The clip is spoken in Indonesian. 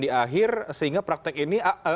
di akhir sehingga praktek ini